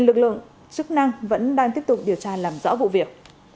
lực lượng chức năng vẫn đang tiếp tục điều tra làm rõ vụ việc